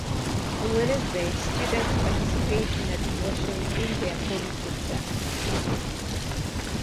On Wednesday, students participate in a devotion in their homegroup classes.